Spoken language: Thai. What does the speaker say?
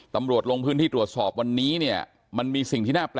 ตำรวจลงพื้นที่ตรวจสอบวันนี้เนี่ยมันมีสิ่งที่น่าแปลก